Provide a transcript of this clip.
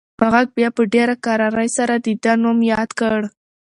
غږ بیا په ډېره کرارۍ سره د ده نوم یاد کړ.